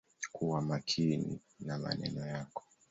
Kuwa makini na maneno yako.